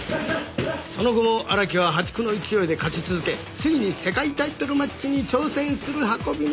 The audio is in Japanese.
「その後も荒木は破竹の勢いで勝ち続けついに世界タイトルマッチに挑戦する運びになった」